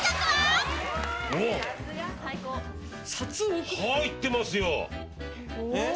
入ってますよ！